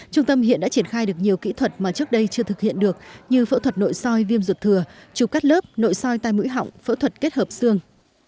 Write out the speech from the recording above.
trung tâm hiện đã triển khai được nhiều kỹ thuật mà trước đây chưa thực hiện được như phẫu thuật nội soi viêm ruột thừa chụp cắt lớp nội soi tai mũi họng phẫu thuật kết hợp xương